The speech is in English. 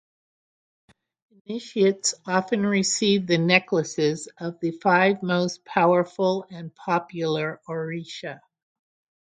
Initiates often receive the necklaces of the five most powerful and popular oricha.